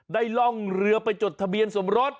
ล่องเรือไปจดทะเบียนสมรส